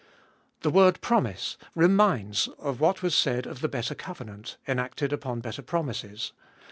The word promise reminds of what was said of the better covenant, enacted upon better promises.